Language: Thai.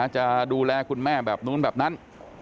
จะดูแลคุณแม่แบบนู้นแบบนั้น